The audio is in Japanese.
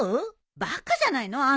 バカじゃないのあんた。